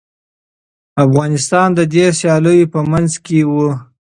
افغانستان د دې سیالیو په منځ کي و.